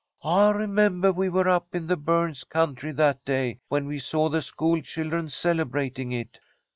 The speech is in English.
I remembah we were up in the Burns country that day, when we saw the school children celebrating it."